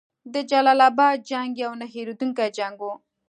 د جلال اباد جنګ یو نه هیریدونکی جنګ وو.